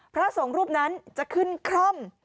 พระสงฆ์รูปนั้นจะขึ้นคร่อม